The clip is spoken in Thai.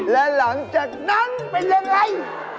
และหลังจากนั้นเป็นยังไง